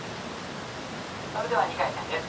それでは２回戦です。